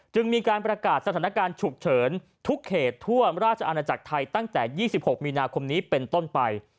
จึงมีการประกาศสถานการณ์ฉุกเฉินทุกเขตทั่วราชอาณาจักรไทยตั้งแต่๒๖มีนาคมนี้เป็นต้นไป